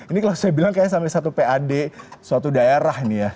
ini kalau saya bilang kayaknya sampai satu pad suatu daerah nih ya